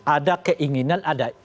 ada keinginan ada